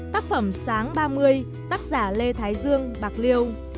tác phẩm sáng ba mươi tác giả lê thái dương bạc liêu